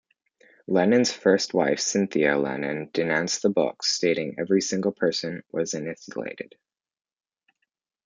Lennon's first wife Cynthia Lennon denounced the book, stating Every single person was annihilated.